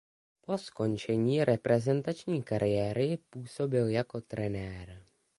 Po skončení reprezentační kariéry působil jako trenér.